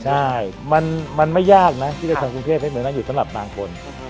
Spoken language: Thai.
ใช่มันไม่ยากนะที่จะทำกรุงเทพให้เมืองนั้นอยู่สำหรับบางคน